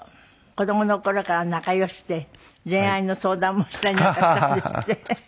子供の頃から仲良しで恋愛の相談もしたりなんかしたんですって？